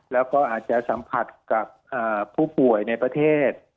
แล้วก็อาจจะสัมผัสกับผู้ป่วยในประเทศ